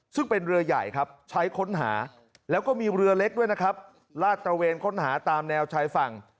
ซึ่งเป็นเรือใหญ่ครับใช้ค้นหาแล้วก็มีเรือเล็กด้วยนะครับลาดตระเวนค้นหาตามแนวชายฝั่ง